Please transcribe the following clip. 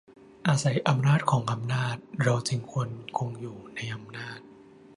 อาศัยอำนาจของอำนาจเราจึงควรคงอยู่ในอำนาจ